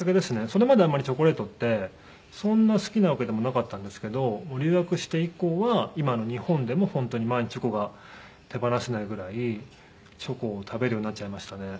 それまではあんまりチョコレートってそんな好きなわけでもなかったんですけど留学して以降は今の日本でも本当に毎日チョコが手放せないぐらいチョコを食べるようになっちゃいましたね。